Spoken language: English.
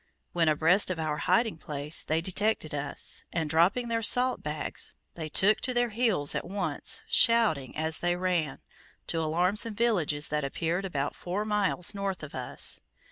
When abreast of our hiding place, they detected us, and dropping their salt bags, they took to their heels at once, shouting out as they ran, to alarm some villages that appeared about four miles north of us.